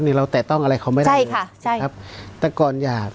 นี่เราแตะต้องอะไรเขาไม่ได้ใช่ค่ะใช่ครับแต่ก่อนอยาก